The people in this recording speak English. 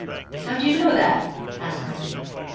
'How do you know that?' asked Ida.